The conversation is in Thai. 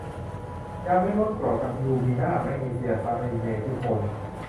ยาเม็ดลดกรด อะลูมินา แมกนีเซีย ไซเมธิโคน